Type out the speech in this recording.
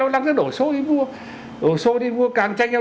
đang tranh nhau